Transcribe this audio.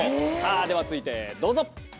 では続いてどうぞ。